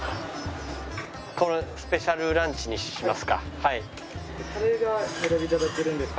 このスペシャルランチにしますか。